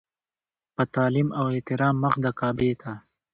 په تعلیم او احترام مخ د کعبې ته.